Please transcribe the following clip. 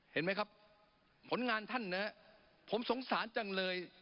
เห็นมั้ยครับผลงานท่านเนี่ยผมสงสารจังเลย